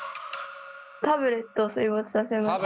タブレットを水没させました。